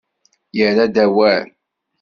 Yerra-d awal.